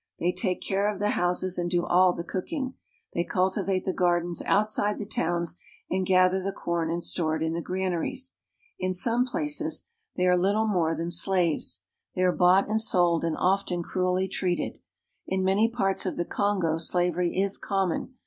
They take care of the houses and do all the cooking. They culti vate the gardens outside the towns, and gather the corn and store it in the granaries. In some places they are 240 AFRICA little more than slaves. They are bought and sold, and are often cruelly treated. In many parts of the Kongo slavery is common.